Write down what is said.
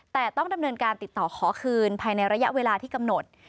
แต่ต้องดำเนินการติดต่อขอคืนภายในระยะเวลาที่กำหนด